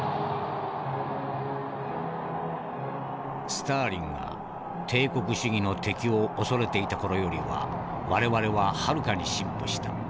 「スターリンが帝国主義の敵を恐れていた頃よりは我々ははるかに進歩した。